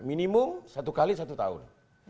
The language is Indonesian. minimum satu kali satu tahun